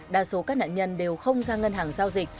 đa số các nạn nhân đều không ra ngân hàng giao dịch